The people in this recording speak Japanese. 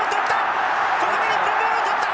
ここで日本ボールを捕った！